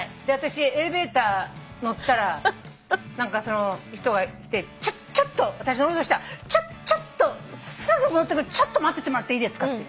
で私エレベーター乗ったら何かその人が来て私乗ろうとしたら「ちょっとすぐ戻ってくるんでちょっと待っててもらっていいですか」